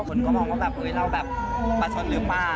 คนก็มองว่าเราประชนหรือเปล่า